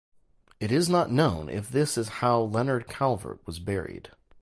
It is not known if this is how Leonard Calvert was buried.